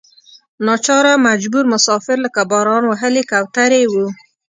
ناچاره مجبور مسافر لکه باران وهلې کوترې وو.